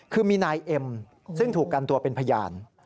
คือมีนายเอ็มซึ่งถูกกันตัวเป็นพยาน